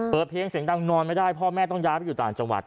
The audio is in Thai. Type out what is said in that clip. เพลงเสียงดังนอนไม่ได้พ่อแม่ต้องย้ายไปอยู่ต่างจังหวัด